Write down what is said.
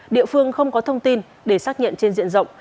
địa phương không có thông tin để xác nhận trên diện rộng